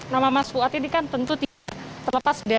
nama mas fuad ini kan tentu tidak terlepas dari